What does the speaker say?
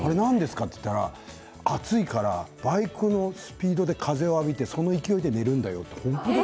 って言ったら暑いからバイクのスピードで風を浴びてその勢いで寝るんだよって。